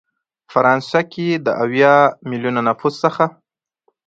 فرانسه کې د اویا ملیونه نفوس څخه